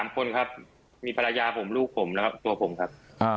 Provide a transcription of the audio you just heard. ๓คนครับมีภรรยาผมลูกผมแล้วก็ตัวผมครับ